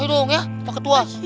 ayo dong ya pak ketua